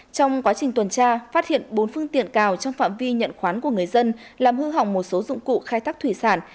trong quá trình tuần tra phát hiện bốn phương tiện cào trong phạm vi nhận khoán của người dân làm hư hỏng một số dụng cụ khai thác thủy sản